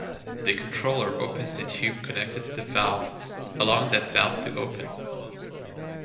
The controller opens the tube connected to the valve, allowing that valve to open.